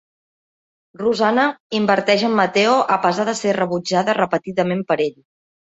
Rosana inverteix en Matteo a pesar de ser rebutjada repetidament per ell.